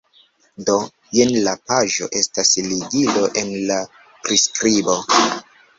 Do, jen la paĝo estas ligilo en la priskribo